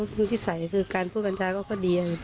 เพื่อนที่ใส่คือการพูดบัญชาก็ดี